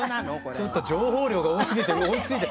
ちょっと情報量が多すぎて追いついて。